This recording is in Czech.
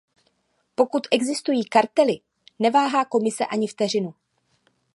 Pokud existují kartely, neváhá Komise ani vteřinu.